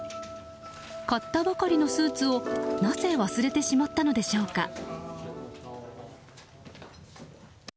買ったばかりのスーツをなぜ忘れてしまったのでしょうか。